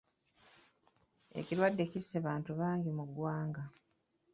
Ekirwadde kisse abantu bangi mu ggwanga.